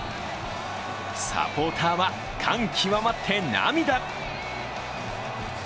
サポーターは感極まって涙。